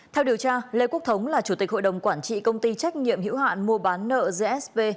theo điều tra lê quốc thống là chủ tịch hội đồng quản trị công ty trách nhiệm hữu hạn mua bán nợ gsv